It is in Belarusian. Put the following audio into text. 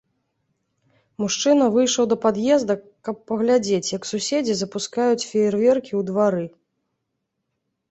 Мужчына выйшаў да пад'езда, каб паглядзець, як суседзі запускаюць феерверкі ў двары.